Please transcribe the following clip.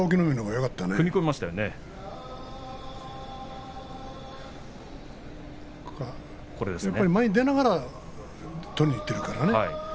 やっぱり前に出ながら取りにいっているからね。